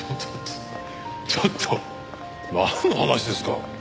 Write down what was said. ちょっとなんの話ですか？